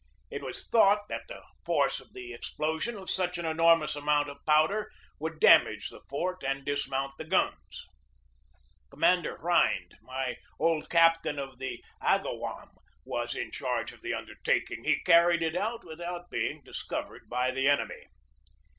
It was thought that the force of 128 GEORGE DEWEY the explosion of such an enormous amount of powder would damage the fort and dismount the guns. Commander Rhind, my old captain of the Agawam, was in charge of the undertaking. He carried it out without being discovered by the enemy.